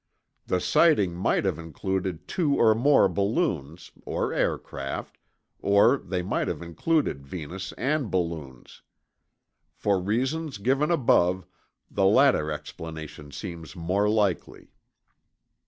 The sighting might have included two or more balloons (or aircraft) or they might have included Venus and balloons. For reasons given above, the latter explanation seems more likely.